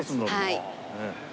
はい。